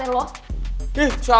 n angef sluffiska sekarang